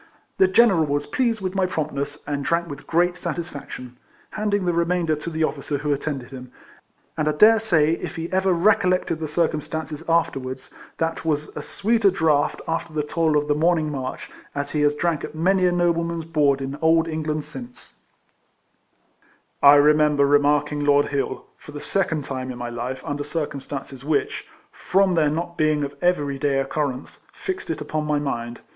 The general was pleased with my promptness, and drank with great satisfaction, handing the remainder to the officer who attended him ; and I dare say, if he ever recollected the circum stance afterwards, that was as sweet a draught, after the toil of the morning march, as he has drank at many a noble man's board in old England since. 32 RECOLLECTIONS OF I remember remarking Lord Hill, for the second time in my life, under circumstances Avhicli (from their not being of every day occurrence) fixed it upon my mind.